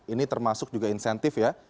ini termasuk juga insentif ya